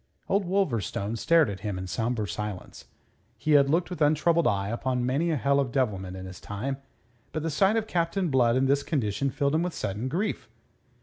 Old Wolverstone stared at him in sombre silence. He had looked with untroubled eye upon many a hell of devilment in his time, but the sight of Captain Blood in this condition filled him with sudden grief.